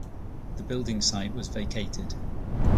The building site was vacated.